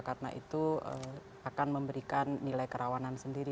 karena itu akan memberikan nilai kerawanan sendiri